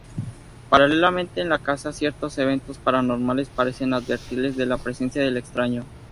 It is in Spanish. Paralelamente en la casa ciertos eventos paranormales parecen advertirles de la presencia del extraño.